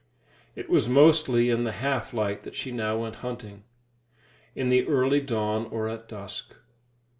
It was mostly in the half light that she now went hunting, in the early dawn or at dusk.